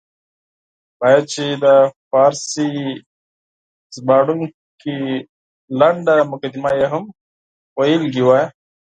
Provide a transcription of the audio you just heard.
باید چې د فارسي مترجم لنډه مقدمه یې هم لوستې وای.